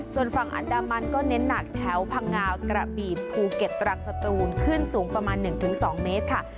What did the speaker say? ส่วนฝั่งอันดามันก็เน้นหนักแถวพังงากระบีภูเก็ตตรังสตูนขึ้นสูงประมาณ๑๒เมตรค่ะ